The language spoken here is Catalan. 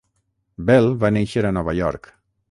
Bell va néixer a Nova York.